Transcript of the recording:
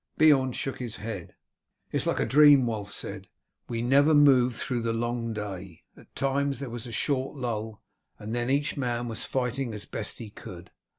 Beorn shook his head. "It is like a dream," Wulf said. "We never moved through the long day. At times there was a short lull, and then each man was fighting as best he could.